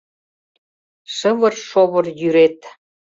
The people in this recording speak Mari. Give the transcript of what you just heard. Шывыр-шовыр йӱрет